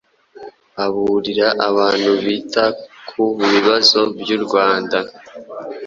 aburira abantu bita ku bibazo by’u Rwanda